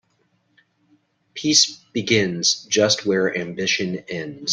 Peace begins just where ambition ends.